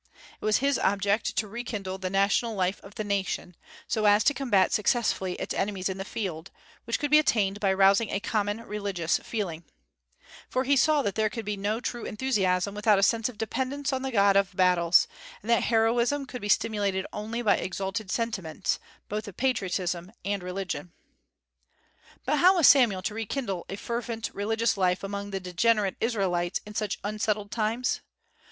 "It was his object to re enkindle the national life of the nation, so as to combat successfully its enemies in the field, which could be attained by rousing a common religious feeling;" for he saw that there could be no true enthusiasm without a sense of dependence on the God of battles, and that heroism could be stimulated only by exalted sentiments, both of patriotism and religion. But how was Samuel to rekindle a fervent religious life among the degenerate Israelites in such unsettled times?